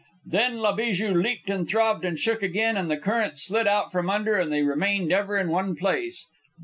Then La Bijou leaped and throbbed and shook again, and the current slid out from under, and they remained ever in one place.